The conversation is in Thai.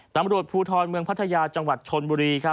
ตำรวจภูทรเมืองพัทยาจังหวัดชนบุรี